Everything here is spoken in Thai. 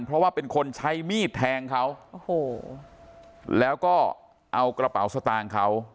เพราะว่าเป็นคนใช้มีดแทงเขาโอ้โหแล้วก็เอากระเป๋าสตางค์เขา